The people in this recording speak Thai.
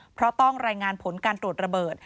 เพราะต้องรายงานผลการตรวจระเบิด